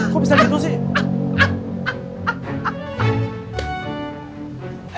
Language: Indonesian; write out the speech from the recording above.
kok bisa gitu sih